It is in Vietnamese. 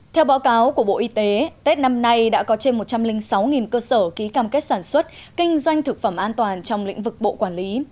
theo báo cáo của bộ y tế tết năm nay đã có trên một trăm linh sáu cơ sở ký cam kết sản xuất kinh doanh thực phẩm an toàn trong lĩnh vực bộ quản lý